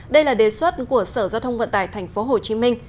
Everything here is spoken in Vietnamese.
đây là đề xuất của sở giao thông vận tải thành phố hồ chí minh